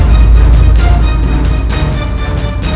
ternyata dia memengelap itu